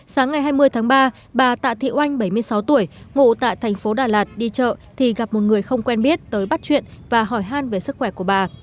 sáng ngày hai mươi tháng ba bà tạ thị oanh bảy mươi sáu tuổi ngụ tại thành phố đà lạt đi chợ thì gặp một người không quen biết tới bắt chuyện và hỏi han về sức khỏe của bà